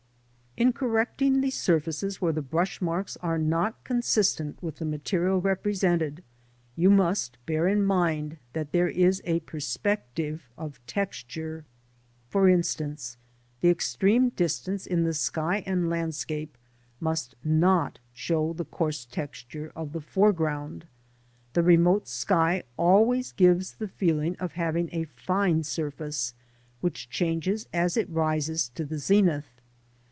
In correcting the surfaces where the brush marks are not consistent with the material represented, you must bear in mind that there is a perspective of texture. For instance, the extreme distance in the sky and landscape must not show the coarse texture of the foreground. The remote sky always gives one the feeling of having a fine surface which changes as it rises to the zenith.